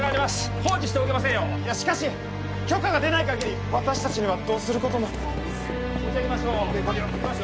放置しておけませんよいやしかし許可が出ないかぎり私達にはどうすることも持ち上げましょういきますよ